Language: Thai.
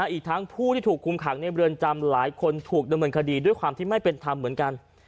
อีกทั้งผู้ที่ถูกคุมขังในเรือนจำหลายคนถูกดำเนินคดีด้วยความที่ไม่เป็นธรรมเหมือนกัน